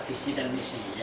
penyelamatnya dan penyelamatnya